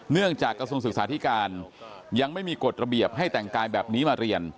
กระทรวงศึกษาธิการยังไม่มีกฎระเบียบให้แต่งกายแบบนี้มาเรียน